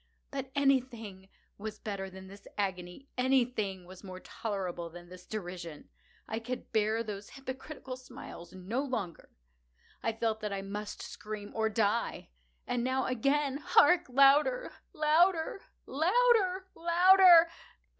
But anything was better than this agony! Anything was more tolerable than this derision! I could bear those hypocritical smiles no longer! I felt that I must scream or die! and now—again!—hark! louder! louder! louder! louder!